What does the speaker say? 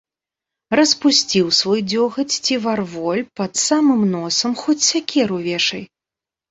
Распусціў свой дзёгаць ці варволь пад самым носам, хоць сякеру вешай.